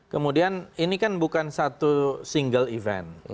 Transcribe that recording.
kemudian ini kan bukan satu single event